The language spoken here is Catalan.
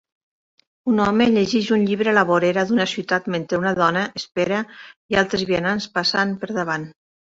Un home llegeix un llibre a la vorera d'una ciutat mentre una dona espera i altres vianants passant per davant.